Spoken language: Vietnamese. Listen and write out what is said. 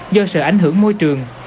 do sự ảnh hưởng môi trường